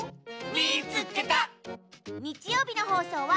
「みいつけた！」。